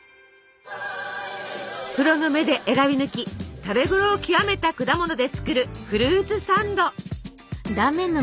プロの目で選び抜き食べごろを極めた果物で作るフルーツサンド。